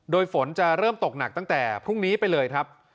โดยฝนจะเริ่มตกหนักตั้งแต่พรุ่งนี้ไปเลยครับ